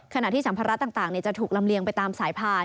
ขณะที่สัมภาระต่างจะถูกลำเลียงไปตามสายพาน